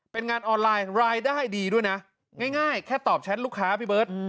เป็นงานออนไลน์รายได้ดีด้วยนะง่ายแค่ตอบแชทลูกค้าพี่เบิร์ต